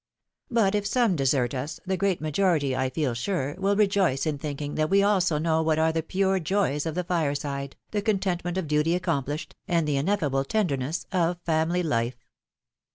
But if some desert us, the great majority, I feel sure, will rejoice in thinking that we also know what are the pure joys of the fireside, the content ment of duty accomplished, and the ineffable tenderness of family life.